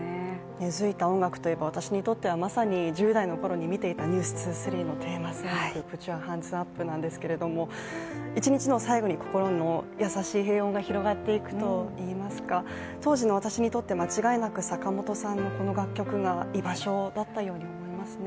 根付いた音楽といえば、私にとってはまさに１０代のころに見ていた「ＮＥＷＳ２３」のテーマソング、「Ｐｕｔｙｏｕｒｈａｎｄｓｕｐ」なんですけれども一日の最後に心に優しい平穏が広がっていくといいますか当時の私にとって間違いなく坂本さんのこの楽曲が居場所だったと思いますね。